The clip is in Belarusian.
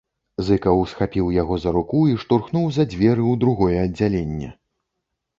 Зыкаў схапіў яго за руку і штурхнуў за дзверы, у другое аддзяленне.